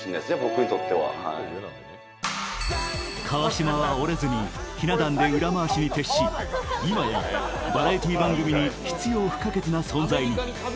川島は折れずにひな壇で裏回しに徹し今や、バラエティー番組に必要不可欠な存在に。